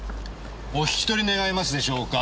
お引き取り願えますでしょうか